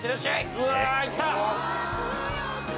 うわいった。